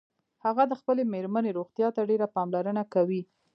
هغه د خپلې میرمنیروغتیا ته ډیره پاملرنه کوي